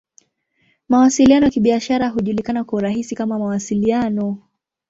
Mawasiliano ya Kibiashara hujulikana kwa urahisi kama "Mawasiliano.